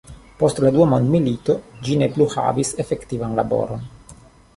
Post la dua mondmilito ĝi ne plu havis efektivan laboron.